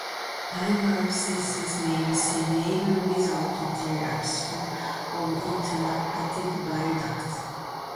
Liver abscesses may be seen even without dilatation of intrahepatic bile ducts.